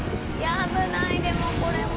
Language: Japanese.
危ないでもこれも。